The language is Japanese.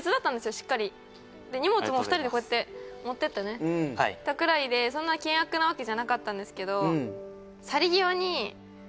しっかりで荷物も２人でこうやって持ってったねぐらいでそんな険悪なわけじゃなかったんですけどんですよ